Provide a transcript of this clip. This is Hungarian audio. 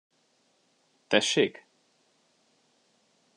Tessék?